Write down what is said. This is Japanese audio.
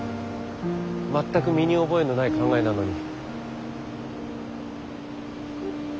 全く身に覚えのない考えなのに。